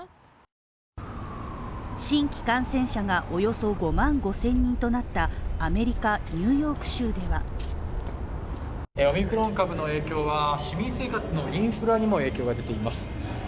新規感染者がおよそ５万５０００人となったアメリカ・ニューヨーク州ではオミクロン株の影響は市民生活のインフラにも影響が出ています。